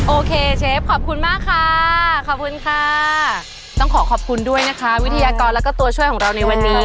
โอเคเชฟขอบคุณมากค่ะขอบคุณค่ะต้องขอขอบคุณด้วยนะคะวิทยากรแล้วก็ตัวช่วยของเราในวันนี้